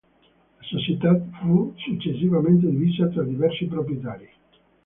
La società fu successivamente divisa tra diversi proprietari.